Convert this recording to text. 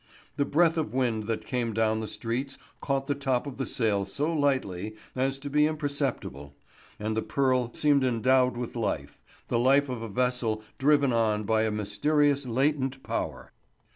The breath of wind that came down the streets caught the top of the sail so lightly as to be imperceptible, and the Pearl seemed endowed with life—the life of a vessel driven on by a mysterious latent power.